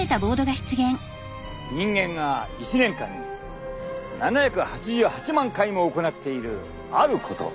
人間が１年間に７８８万回も行っているあること。